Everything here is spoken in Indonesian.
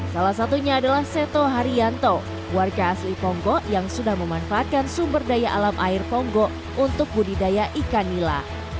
salah satunya adalah seto haryanto warga asli ponggok yang sudah memanfaatkan sumber daya alam air ponggo untuk budidaya ikan nila